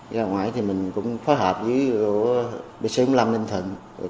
ra ngoài thì mình cũng phối hợp với bx bốn mươi năm ninh thuận